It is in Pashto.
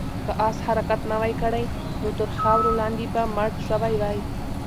که آس حرکت نه وای کړی، نو تر خاورو لاندې به مړ شوی وای.